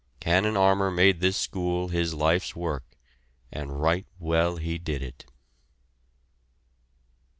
Canon Armour made this school his life's work, and right well he did it.